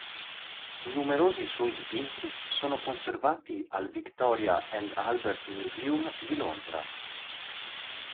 Numerosi suoi dipinti sono conservati al Victoria and Albert Museum di Londra.